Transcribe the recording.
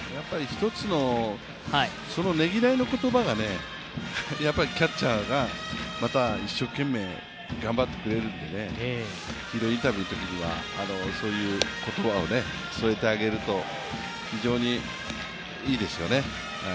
一つのねぎらいの言葉でキャッチャーがまた、一生懸命頑張ってくれるのでヒーローインタビューのときにはそういう言葉を添えてあげると非常にいいですよね。